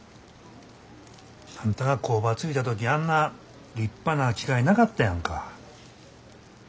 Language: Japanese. あんたが工場継いだ時あんな立派な機械なかったやんか。